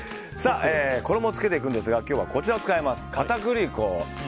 衣をつけていくんですが今日はこちらを使います、片栗粉。